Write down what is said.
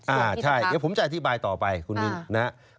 อ่าใช่เดี๋ยวผมจะอธิบายต่อไปคุณมินนะครับ